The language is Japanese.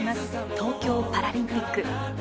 東京パラリンピック。